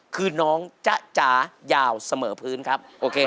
คือน้องจ๊ะจ๋ายาวเสมอพื้นครับโอเค